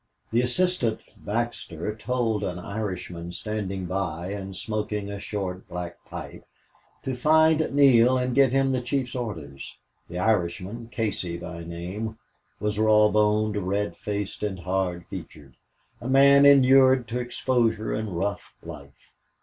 The assistant, Baxter, told an Irishman standing by and smoking a short, black pipe to find Neale and give him the chief's orders. The Irishman, Casey by name, was raw boned, red faced, and hard featured, a man inured to exposure and rough life.